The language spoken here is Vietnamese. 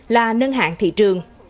là nâng hạn thị trường